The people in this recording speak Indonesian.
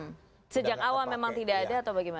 sejak awal memang tidak ada atau bagaimana